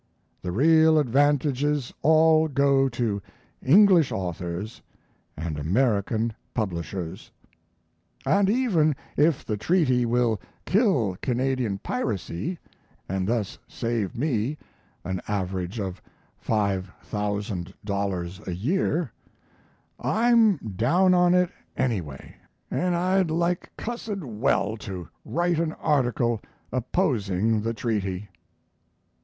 The real advantages all go to English authors and American publishers. And even if the treaty will kill Canadian piracy, and thus save me an average of $5,000 a year, I'm down on it anyway, and I'd like cussed well to write an article opposing the treaty.